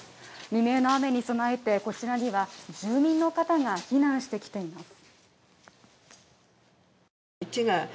未明の雨に備えて、こちらには住民の方が避難してきています。